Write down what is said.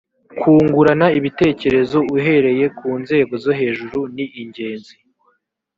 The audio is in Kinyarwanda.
kungurana ibitekerezo uhereye ku nzego zo hejuru ni ingenzi